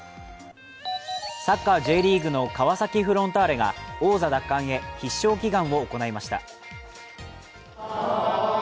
サッカーＪリーグの川崎フロンターレが王座奪還へ必勝祈願を行いました。